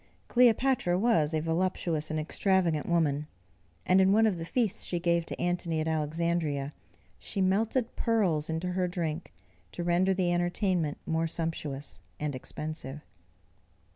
Cleopatra was a voluptuous and extravagant woman, and in one of the feasts she gave to Antony at Alexandria, she melted pearls into her drink to render the entertainment more sumptuous and expensive.